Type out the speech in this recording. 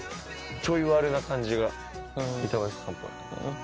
ちょいワルな感じが板橋さんっぽい。